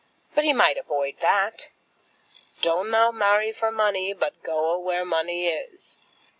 But he might avoid that. "Doan't thou marry for munny, but goa where munny is."